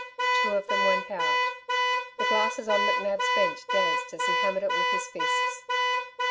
Two of them went out. The glasses on McNab's bench danced as he hammered it with his fists.